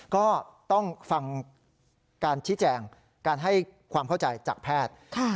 ก็ต้องฟังการชี้แจงการให้ความเข้าใจจากแพทย์